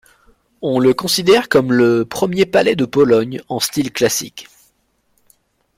On le considère comme le premier palais de Pologne en style classique.